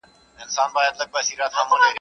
o چي بې گدره گډېږي، خود بې سين وړي.